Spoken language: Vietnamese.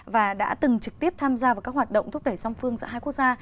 và đã từng trực tiếp tham gia vào các hoạt động thúc đẩy song phương giữa hai quốc gia